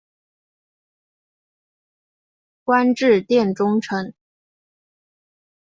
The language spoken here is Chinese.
官至殿中丞。